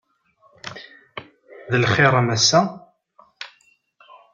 D lxir a Massa.